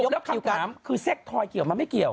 แล้วคำถามคือเซ็กทอยเกี่ยวมันไม่เกี่ยว